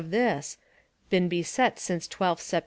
of this ... been beset since 12th Sept.